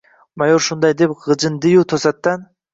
Mayor shunday deb g‘ijindi-yu, to‘satdan: